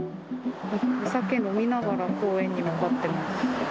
お酒飲みながら、公園に向かってます。